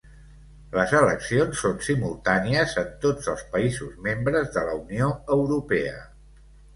Les eleccions són simultànies en tots els països membres de la Unió Europea.